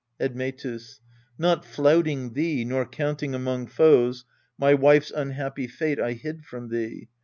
Admetus. Not flouting thee, nor counting among foes, My wife's unhappy fate I hid from thee.